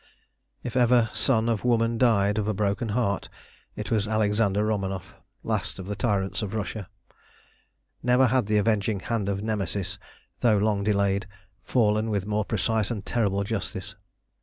If ever son of woman died of a broken heart it was Alexander Romanoff, last of the tyrants of Russia. Never had the avenging hand of Nemesis, though long delayed, fallen with more precise and terrible justice.